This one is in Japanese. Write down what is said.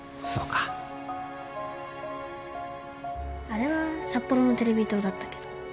あれは札幌のテレビ塔だったけど。